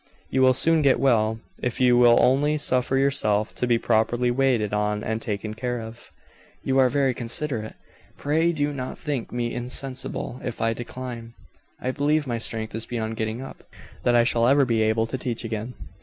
You will soon get well, if you will only suffer yourself to be properly waited on and taken care of." "You are very considerate. Pray do not think me insensible if I decline. I believe my strength is beyond getting up that I shall never be able to teach again."